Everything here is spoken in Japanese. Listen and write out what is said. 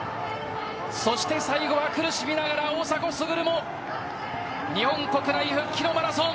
最後は苦しみながら大迫傑も日本国内復帰のマラソン。